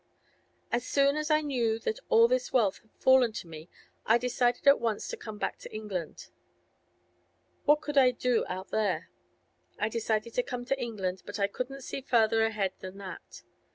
'As soon as I knew that all this wealth had fallen to me I decided at once to come back to England. What could I do out there? I decided to come to England, but I couldn't see farther ahead than that.